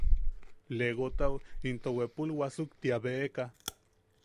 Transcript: Legotau into bwepul wasuktia beʼeka.